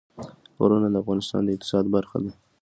غرونه د افغانستان د اقتصاد برخه ده.